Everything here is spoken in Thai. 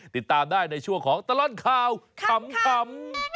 ติดตามได้ในช่วงของตลอดข่าวขำ